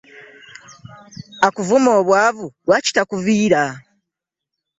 Akuvuma obwavu lwaki takuvira?